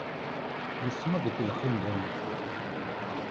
Yessen ad ikellex i medden.